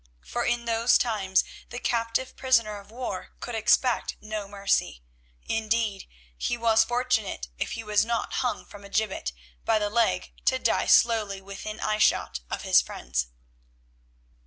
For in those times the captive prisoner of war could expect no mercy; indeed, he was fortunate if he was not hung from a gibbet by the leg to die slowly within eyeshot of his friends.